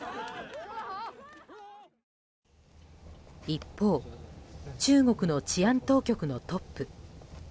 一方中国の治安当局のトップ。